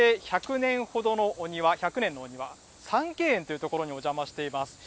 １００年ほどのお庭、１００年の庭、三溪園という所にお邪魔しています。